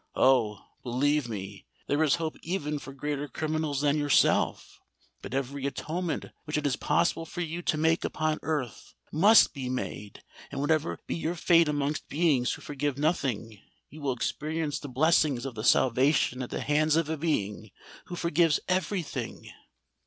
Oh! believe me—there is hope even for greater criminals than yourself! But every atonement which it is possible for you to make upon earth, must be made; and, whatever be your fate amongst beings who forgive nothing, you will experience the blessings of salvation at the hands of a Being who forgives every thing!"